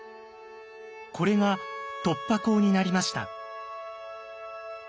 これが突破口になりました。